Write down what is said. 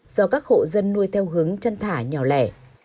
do các hộ dân nuôi theo hướng chăn thả nhỏ lẻ